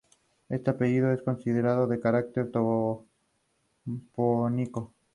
Expresa el universo con diferentes discursos.